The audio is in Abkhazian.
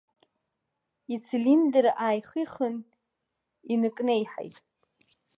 Ицилиндр ааихихын, иныкнеиҳаит.